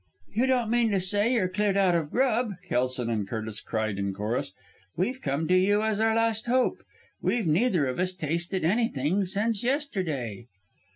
"You don't mean to say you're cleared out of grub!" Kelson and Curtis cried in chorus. "We've come to you as our last hope. We've neither of us tasted anything since yesterday."